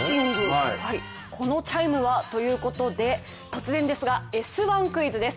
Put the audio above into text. このチャイムはということで突然ですが「Ｓ☆１」クイズです。